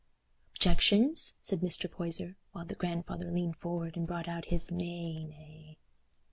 "Objections?" said Mr. Poyser, while the grandfather leaned forward and brought out his long "Nay, nay."